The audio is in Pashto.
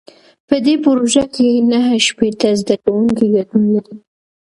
په دې پروژه کې نهه شپېته زده کوونکي ګډون لري.